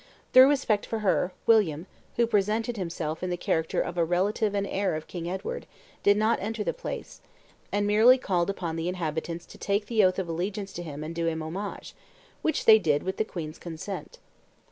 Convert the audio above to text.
Through respect for her, William, who presented himself in the character of relative and heir of King Edward, did not enter the place, and merely called upon the inhabitants to take the oath of allegiance to him and do him homage, which they did with the queen's consent.